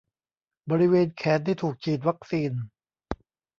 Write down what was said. บริเวณแขนที่ถูกฉีดวัคซีน